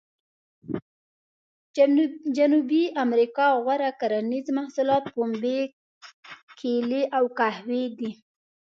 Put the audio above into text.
جنوبي امریکا غوره کرنیز محصولات پنبې، کېلې او قهوې دي.